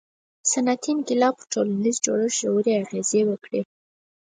• صنعتي انقلاب پر ټولنیز جوړښت ژورې اغیزې وکړې.